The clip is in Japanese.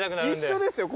一緒ですよ